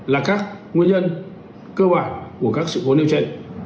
là các nguyên nhân cơ bản của các sự cố điều tra